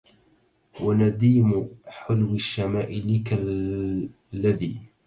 ونديم حلو الشمائل كالدي